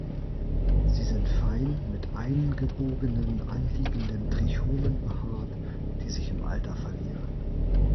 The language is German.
Sie sind fein mit eingebogenen, anliegenden Trichomen behaart, die sich im Alter verlieren.